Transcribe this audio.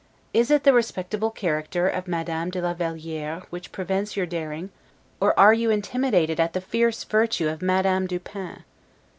Is it the respectable character of Madame de la Valiere which prevents your daring, or are you intimidated at the fierce virtue of Madame du Pin?